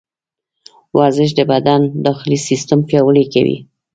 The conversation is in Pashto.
ورزش د بدن داخلي سیسټم پیاوړی کوي.